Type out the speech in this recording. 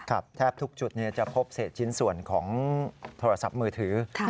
แทบทุกจุดจะพบเศษชิ้นส่วนของโทรศัพท์มือถือ